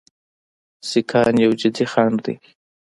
سیکهان یو جدي خنډ دی.